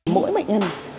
mỗi bệnh nhân